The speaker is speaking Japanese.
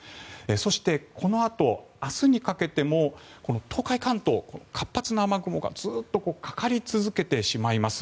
そして、このあと明日にかけても東海、関東活発な雨雲がずっとかかり続けてしまいます。